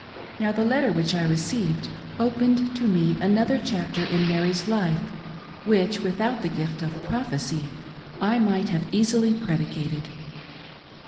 Now the letter which I received opened to me another chapter in Mary's life which, without the gift of prophecy, I might have easily predicated.